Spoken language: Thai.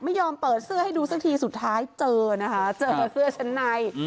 ไม่ยอมเปิดเสื้อให้ดูสักทีสุดท้ายเจอนะคะเจอเสื้อชั้นใน